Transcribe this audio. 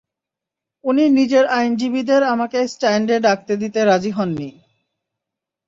উনি নিজের আইনজীবীদের আমাকে স্ট্যান্ডে ডাকতে দিতে রাজি হননি।